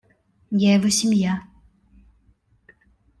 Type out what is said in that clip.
Я его семья.